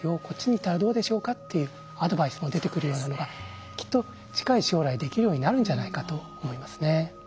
こっちに行ったらどうでしょうか？」っていうアドバイスも出てくるようなのがきっと近い将来できるようになるんじゃないかと思いますね。